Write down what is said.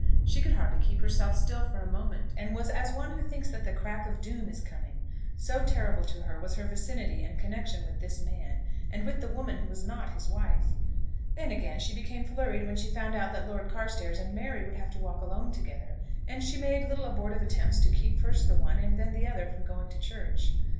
She could hardly keep herself still for a moment, and was as one who thinks that the crack of doom is coming; so terrible to her was her vicinity and connection with this man, and with the woman who was not his wife. Then, again, she became flurried when she found that Lord Carstairs and Mary would have to walk alone together; and she made little abortive attempts to keep first the one and then the other from going to church.